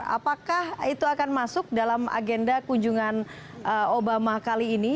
apakah itu akan masuk dalam agenda kunjungan obama kali ini